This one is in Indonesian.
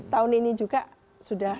tahun ini juga sudah